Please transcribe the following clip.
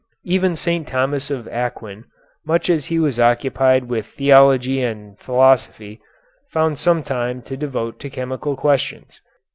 Even St. Thomas of Aquin, much as he was occupied with theology and philosophy, found some time to devote to chemical questions.